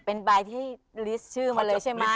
เป็นใบที่ลิสต์ชื่อมาเลยใช่ไหม